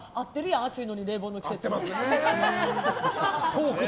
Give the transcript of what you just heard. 暑いのに冷房の季節って。